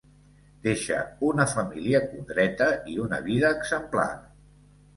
Deixa una família condreta i una vida exemplar.